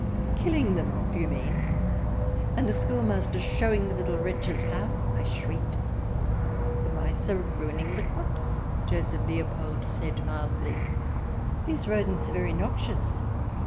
" Killing them, do you mean ? And the school master showing the little wretches how?" I shrieked. " The mice are ruining the crops," Joseph Leopold said mildly. " These rodents are very noxious.